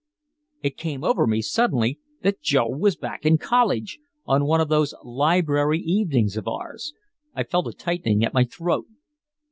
It came over me suddenly that Joe was back in college, on one of those library evenings of ours. I felt a tightening at my throat.